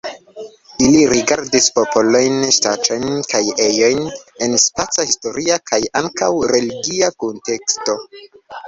Ili rigardis popolojn, ŝtatojn kaj ejojn el spaca, historia kaj ankaŭ religia kunteksto.